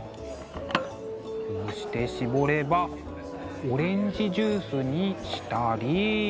こうして搾ればオレンジジュースにしたり。